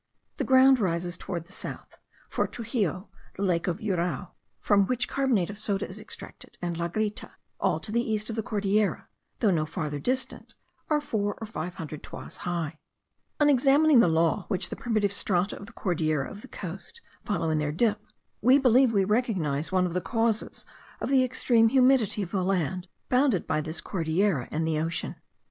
The ground rises towards the south; for Truxillo, the lake of Urao, from which carbonate of soda is extracted, and La Grita, all to the east of the Cordillera, though no farther distant, are four or five hundred toises high. On examining the law which the primitive strata of the Cordillera of the coast follow in their dip, we believe we recognize one of the causes of the extreme humidity of the land bounded by this Cordillera and the ocean.